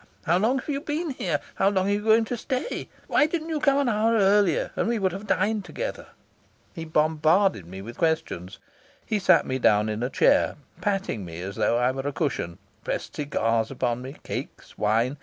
How long have you been here? How long are you going to stay? Why didn't you come an hour earlier, and we would have dined together?" He bombarded me with questions. He sat me down in a chair, patting me as though I were a cushion, pressed cigars upon me, cakes, wine.